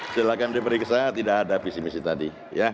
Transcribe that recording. silahkan diperiksa tidak ada visi misi tadi